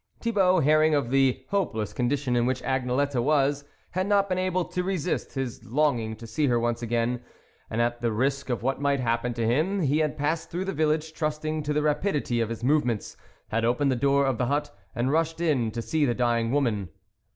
Thibault, hearing of the hopeless condition in which Agnelette was, had not been able to resist his long ing to see her once again, and at the risk of what might happen to him, he had passed through the village, trusting to the rapidity of his movements, had opened the door of the hut and rushed in to see the dying woman.